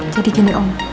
jadi gini om